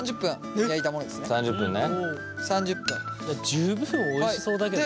十分おいしそうだけどな。